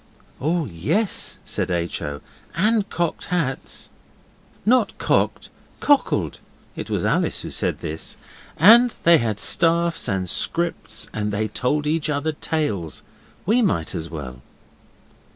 'Oh, yes,' said H. O., 'and cocked hats.' 'Not cocked cockled' it was Alice who said this. 'And they had staffs and scrips, and they told each other tales. We might as well.